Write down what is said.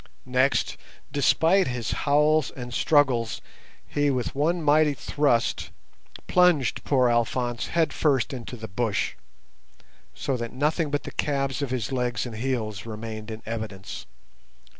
Next, despite his howls and struggles, he with one mighty thrust plunged poor Alphonse head first into the bush, so that nothing but the calves of his legs and heels remained in evidence.